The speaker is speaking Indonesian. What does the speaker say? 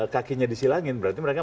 kakinya disilangin berarti mereka